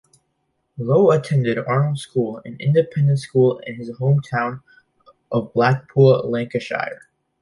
Lowe attended Arnold School, an independent school in his home town of Blackpool, Lancashire.